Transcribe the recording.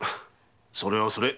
それはそれ。